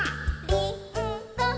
「りんご！」